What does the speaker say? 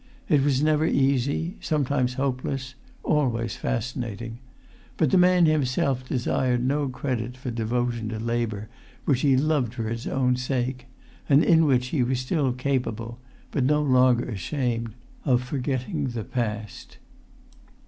It was never easy, sometimes hopeless, always fascinating. But the man himself desired no credit for devotion to labour which he loved for its own sake, and in which he was still capable (but no longer ashamed) of forgetting the past.